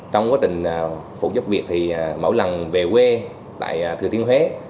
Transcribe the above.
trong quá trình phụ giúp việc thì mỗi lần về quê tại thừa thiên huế